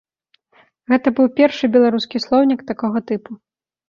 Гэта быў першы беларускі слоўнік такога тыпу.